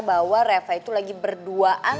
bahwa reva itu lagi berduaan